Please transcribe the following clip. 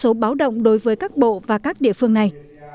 một số báo động đối với các bộ và các địa phương này